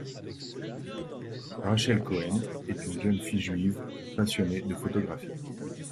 Rachel Cohen est une jeune fille juive passionnée de photographie.